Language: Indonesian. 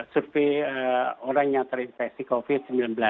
survei orang yang terinfeksi covid sembilan belas